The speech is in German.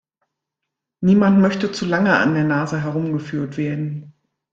Niemand möchte zu lange an der Nase herumgeführt werden.